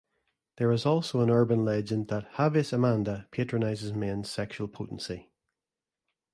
There is also an urban legend that "Havis Amanda" patronizes men's sexual potency.